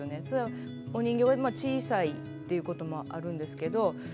それはお人形が小さいっていうこともあるんですけど